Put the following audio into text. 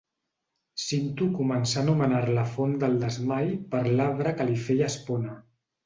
Cinto començà a anomenar-la font del Desmai per l'arbre que li feia espona.